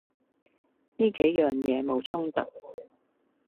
呢幾樣嘢冇衝突